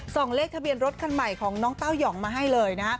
เลขทะเบียนรถคันใหม่ของน้องเต้ายองมาให้เลยนะ